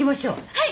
はい！